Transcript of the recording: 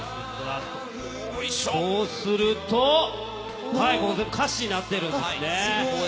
こうすると、歌詞になっているんですね。